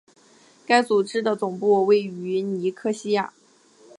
该组织的总部位于尼科西亚。